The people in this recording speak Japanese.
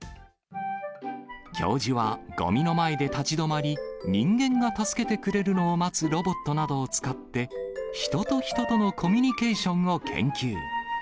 教授はごみの前で立ち止まり、人間が助けてくれるのを待つロボットなどを使って、人と人とのコミュニケーションを研究。